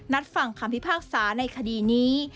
ฟังคำพิพากษาในคดีนี้